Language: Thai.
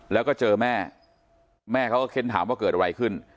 แล้วก็เจอแม่แม่เขาก็เค้นถามว่าเกิดอะไรขึ้น